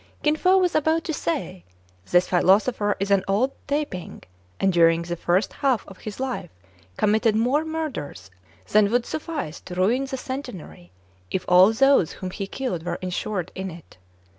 Kin Fo was about to say, "This philosopher is an old Tai ping, and during the first half of his life committed more murders than would suffice to ruin the Centenary, if all those whom he killed were insured in it.